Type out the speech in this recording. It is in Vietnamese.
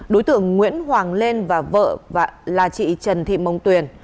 đối tượng nguyễn hoàng lên và là chị trần thị mông tuyền